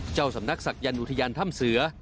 เจ้าสำนักศักยันต์อุทยานถ้ำเสือ